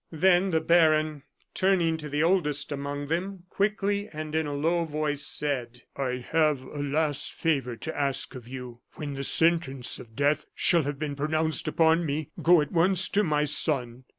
Then the baron, turning to the oldest among them, quickly and in a low voice said: "I have a last favor to ask of you. When the sentence of death shall have been pronounced upon me, go at once to my son.